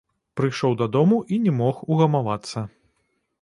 Прыйшоў дадому і не мог угамавацца.